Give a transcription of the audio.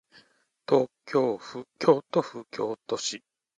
京都府京都市